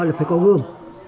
là phải có gươm